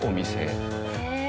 へえ。